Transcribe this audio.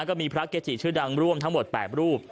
ก็มีพระเกจิชื่อดังร่วมทั้งหมด๘รูป